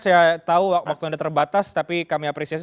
saya tahu waktu anda terbatas tapi kami apresiasi